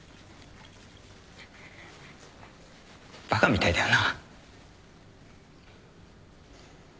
バカみたいだよな。